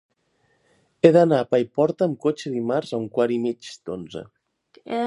He d'anar a Paiporta amb cotxe dimarts a un quart i mig d'onze.